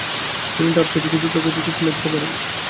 তিনি তার টুপিকে দ্রুতগতিতে ফেলে দিতে পারবেন।